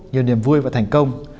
nhiều niềm vui và thành công